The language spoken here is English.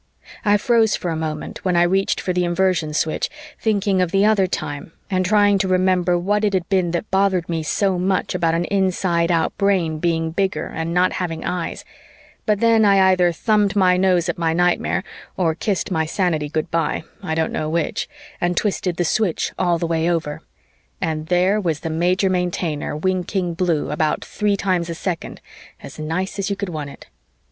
I froze for a moment when I reached for the Inversion switch, thinking of the other time and trying to remember what it had been that bothered me so much about an inside out brain being bigger and not having eyes, but then I either thumbed my nose at my nightmare or kissed my sanity good by, I don't know which, and twisted the switch all the way over, and there was the Major Maintainer winking blue about three times a second as nice as you could want it.